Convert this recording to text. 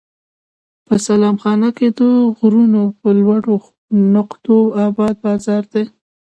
په سلام خانه کې د غرونو پر لوړو نقطو اباد بازار دی.